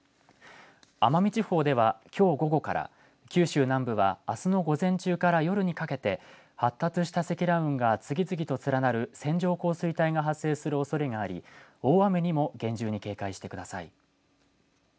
奄美地方ではきょう午後から、九州南部はあすの午前中から夜にかけて発達した積乱雲が次々と連なる線状降水帯が発生するおそれがあり大雨にも厳重に警戒してください。